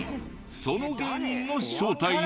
その芸人の正体が。